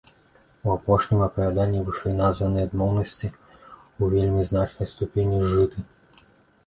У апошнім апавяданні вышэйназваныя адмоўнасці ў вельмі значнай ступені зжыты.